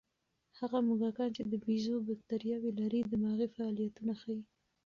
هغه موږکان چې د بیزو بکتریاوې لري، دماغي فعالیتونه ښيي.